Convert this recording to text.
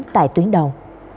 tại tuyến đầu